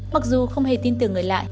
mặc dù không hề tin tưởng người lạ